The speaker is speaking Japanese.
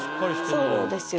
そうなんですよ。